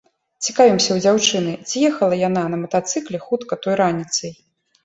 Цікавімся ў дзяўчыны, ці ехала яна на матацыкле хутка той раніцай.